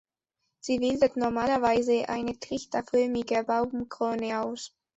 Sie bildet normalerweise eine trichterförmige Baumkrone aus.